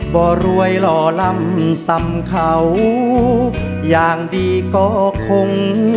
บ่รวยหล่อล่ำซ้ำเขาอย่างดีก็คง